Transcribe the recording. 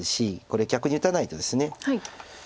これ逆に打たないとですね